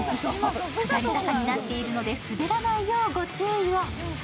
下り坂になっているので滑らないようご注意を。